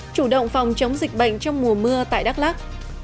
chủ động phòng chống dịch bệnh trong mùa mưa tại đắk lắc